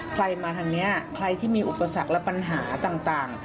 ใครมาทางนี้ใครที่มีอุปสรรคและปัญหาต่าง